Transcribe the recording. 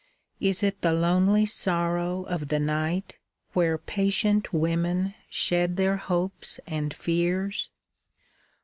Is it the lonely sorrow of the night Where patient women shed their hopes and fears?